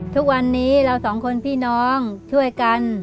ทุกวันนี้เราสองคนพี่น้องช่วยกัน